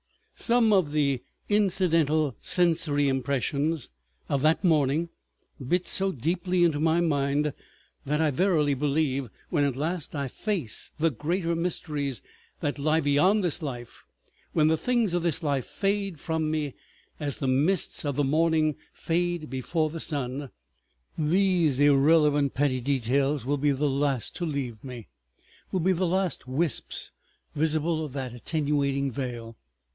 Some of the incidental sensory impressions of that morning bit so deeply into my mind that I verily believe, when at last I face the greater mysteries that lie beyond this life, when the things of this life fade from me as the mists of the morning fade before the sun, these irrelevant petty details will be the last to leave me, will be the last wisps visible of that attenuating veil.